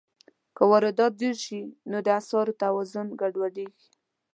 که واردات ډېر شي، نو د اسعارو توازن ګډوډېږي.